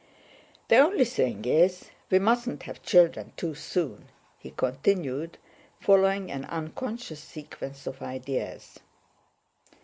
"The only thing is, we mustn't have children too soon," he continued, following an unconscious sequence of ideas.